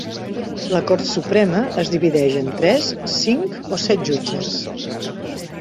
La cort suprema es divideix en tres, cinc o set jutges.